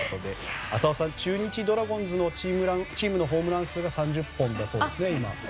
浅尾さん、中日ドラゴンズのチームのホームラン数が３０本だそうですね、今。